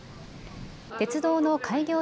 鉄道の開業